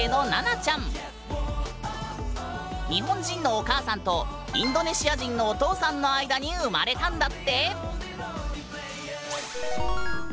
日本人のお母さんとインドネシア人のお父さんの間に生まれたんだって。